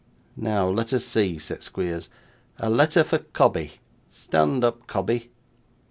'Now let us see,' said Squeers. 'A letter for Cobbey. Stand up, Cobbey.